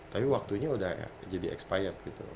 tapi waktunya udah jadi expired gitu